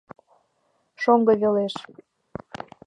Шоҥго велеш.